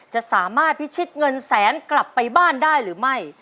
จะสามารถพิชิตเงินแสนกลับไปบ้านได้หรือไม่